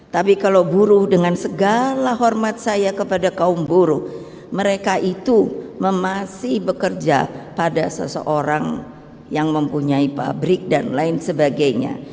tapi kalau buruh dengan segala hormat saya kepada kaum buruh mereka itu masih bekerja pada seseorang yang mempunyai pabrik dan lain sebagainya